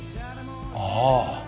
ああ。